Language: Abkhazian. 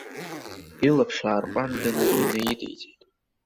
Илаԥш аарҟәанданы инаидиҵеит.